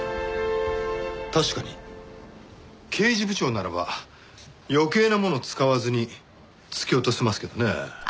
確かに刑事部長ならば余計なもの使わずに突き落とせますけどね。